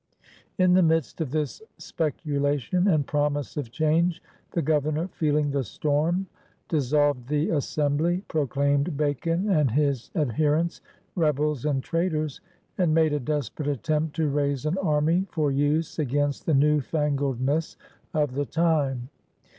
In the midst of this speculation and promise o^ change, the Governor, feeling the storm, dissolved the Assembly, proclaimed Bacon and his adherents rebels and traitors, and made a desperate attempt to raise an army for use against the new f angled ness of the time.